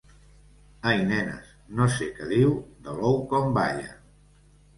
Ai, nenes, no sé què diu de l'ou com balla.